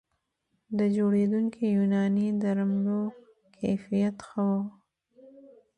د جوړېدونکو یوناني درملو کیفیت ښه و